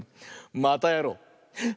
またやろう！